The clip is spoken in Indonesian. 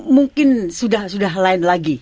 mungkin sudah lain lagi